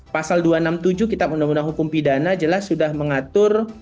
pasal dua ratus enam puluh tujuh kitab undang undang hukum pidana jelas sudah mengatur